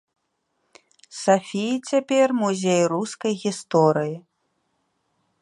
Сафіі цяпер музей рускай гісторыі.